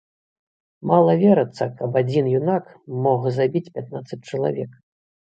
Мала верыцца, каб адзін юнак мог забіць пятнаццаць чалавек.